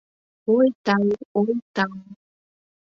Ой, тау, ой, тау.